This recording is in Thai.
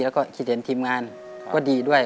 แล้วก็คิดเห็นทีมงานก็ดีด้วย